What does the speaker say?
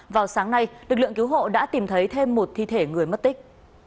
vào sáng nay lực lượng cứu hộ đã tìm thấy thêm một thi thể người mất tích